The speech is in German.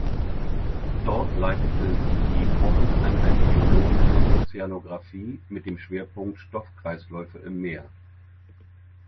Dort leitete sie die Forschungseinheit Biologische Ozeanographie mit dem Schwerpunkt Stoffkreisläufe im Meer.